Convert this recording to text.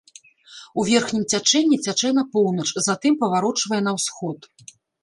У верхнім цячэнні цячэ на поўнач, затым паварочвае на ўсход.